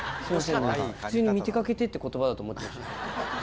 なんか普通に「見てかけて」って言葉だと思ってましたね。